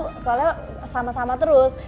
ya dulu soalnya sama sama terus